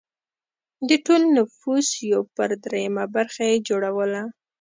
د ټول نفوس یو پر درېیمه برخه یې جوړوله